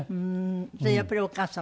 それやっぱりお母様が？